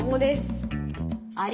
あれ？